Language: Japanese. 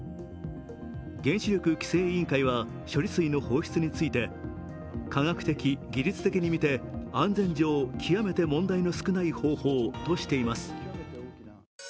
原子力規制委員会は処理水の放出について科学的・技術的に見て安全上、極めて問題の少ない方法としています